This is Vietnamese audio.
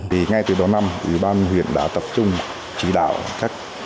thì ngay từ đó năm ủy ban huyện đã tập trung chỉ đạo các